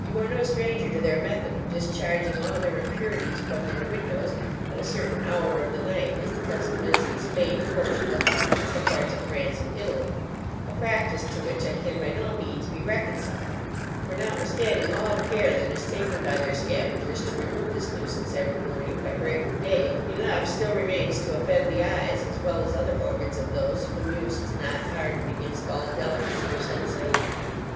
You are no stranger to their method of discharging all their impurities from their windows, at a certain hour of the night, as the custom is in Spain, Portugal, and some parts of France and Italy A practice to which I can by no means be reconciled; for notwithstanding all the care that is taken by their scavengers to remove this nuisance every morning by break of day, enough still remains to offend the eyes, as well as other organs of those whom use has not hardened against all delicacy of sensation.